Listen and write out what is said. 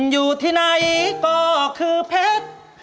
อยู่ที่ในก็คือเผ็ด